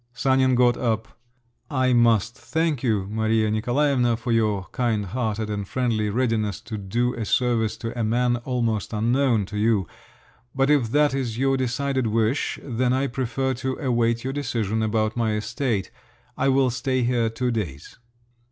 Sanin got up. "I must thank you, Maria Nikolaevna, for your kindhearted and friendly readiness to do a service to a man almost unknown to you. But if that is your decided wish, then I prefer to await your decision about my estate—I will stay here two days."